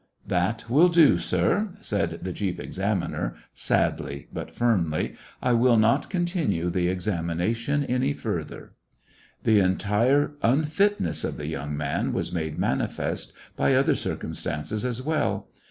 "That will do, sir," said the chief examiner, sadly but firmly. "I wiU not continue the examination any farther." The entire unfitness of the young man was made manifest by other circumstances as well.